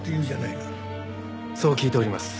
そう聞いております。